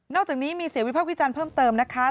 อกจากนี้มีเสียงวิพากษ์วิจารณ์เพิ่มเติมนะคะ